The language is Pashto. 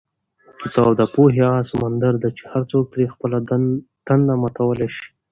کتاب د پوهې هغه سمندر دی چې هر څوک ترې خپله تنده ماتولی شي.